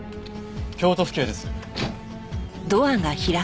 京都府警です。